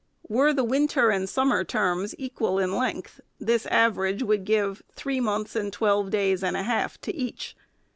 Were the winter and summer terms equal in length, this average would give three months and twelve days and a half to each.